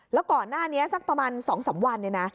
แล้วก่อนหน้านี้สักประมาณ๒๓วัน